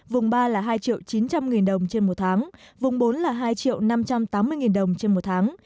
vùng ba là hai triệu chín trăm linh đồng trên một tháng vùng bốn là hai triệu năm trăm tám mươi đồng trên một tháng